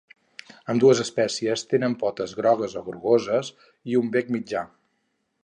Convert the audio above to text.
Ambdues espècies tenen potes grogues o grogoses i un bec mitjà.